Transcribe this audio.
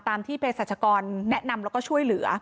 ตามที่เพศรัชกรแนะนำแล้วก็ช่วยเหลือ